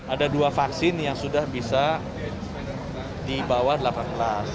ada dua vaksin yang sudah bisa dibawa delapan kelas